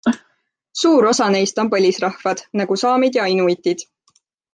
Suur osa neist on põlisrahvad nagu saamid ja inuitid.